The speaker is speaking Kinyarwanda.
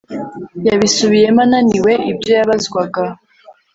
Yabisubiyemo ananiwe ibyo yabazwaga